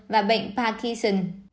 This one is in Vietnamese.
và bệnh parkinson